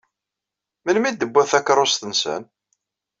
Melmi i tewwiḍ takeṛṛust-nsen?